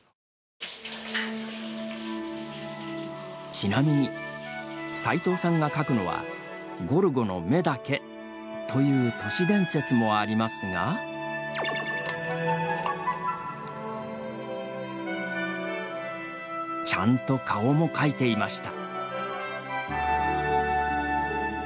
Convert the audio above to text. ちなみにさいとうさんがかくのは「ゴルゴの目だけ」という都市伝説もありますがちゃんと顔もかいていました。